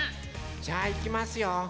じゃあいきますよ。